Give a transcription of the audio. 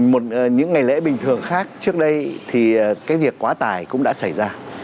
một những ngày lễ bình thường khác trước đây thì cái việc quá tải cũng đã xảy ra